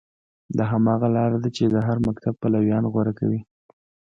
دا هماغه لاره ده چې د هر مکتب پلویان غوره کوي.